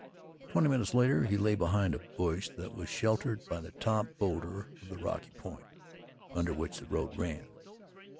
Twenty minutes later, he lay behind a bush that was sheltered by the top boulder of the rocky point under which the road ran.